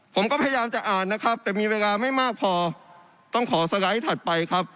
ผมก็พยายามจะอ่านนะครับแต่มีเวลาไม่มากพอต้องขอสไลด์ถัดไปครับ